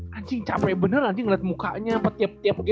qu gaining dia untuk